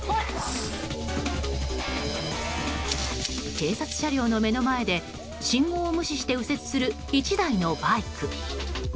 警察車両の目の前で信号を無視して右折する１台のバイク。